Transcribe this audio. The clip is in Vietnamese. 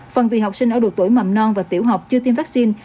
phần vì học sinh ở độ tuổi mầm non và tiểu học chưa tiêm vaccine